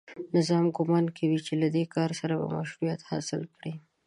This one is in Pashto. نظام ګومان کوي چې له دې کار سره به مشروعیت حاصل کړي